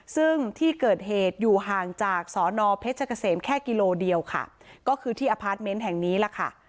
ซึ่งที่เกิดเหตุอยู่ห่างจากสอนอเพชรเกษมแค่กิโลเดียวค่ะก็คือที่อพาร์ทเมนต์แห่งนี้ล่ะค่ะ